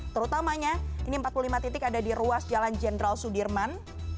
terutamanya ini empat puluh lima titik ada di ruas jalan jenderal sudirman